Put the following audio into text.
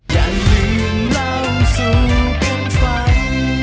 อย่าลืมเล่าสู่คนฟัง